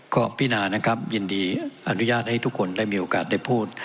ก็พินานะครับยินดีอนุญาตให้ทุกคนได้มีโอกาสได้พูด